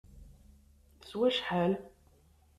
S wacḥal?